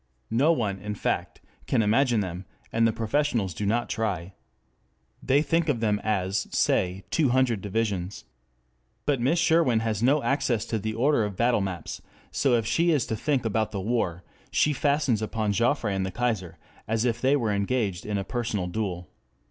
No one, in fact, can imagine them, and the professionals do not try. They think of them as, say, two hundred divisions. But Miss Sherwin has no access to the order of battle maps, and so if she is to think about the war, she fastens upon Joffre and the Kaiser as if they were engaged in a personal duel.